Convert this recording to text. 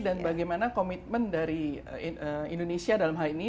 dan bagaimana komitmen dari indonesia dalam hal ini